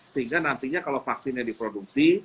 sehingga nantinya kalau vaksinnya diproduksi